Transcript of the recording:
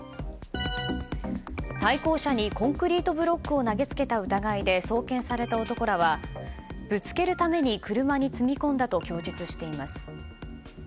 対向車にコンクリートブロックを投げつけた疑いで送検された男らはぶつけるために車に積み込んだと供述しています。